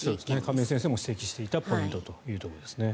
亀井先生も指摘していたポイントということですね。